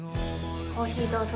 コーヒーどうぞ。